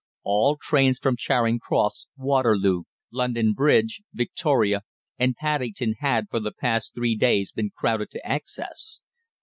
All trains from Charing Cross, Waterloo, London Bridge, Victoria, and Paddington had for the past three days been crowded to excess.